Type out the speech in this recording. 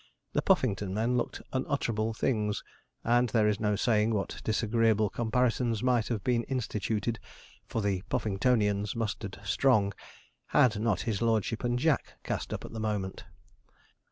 The Puffington men looked unutterable things, and there is no saying what disagreeable comparisons might have been instituted (for the Puffingtonians mustered strong) had not his lordship and Jack cast up at the moment.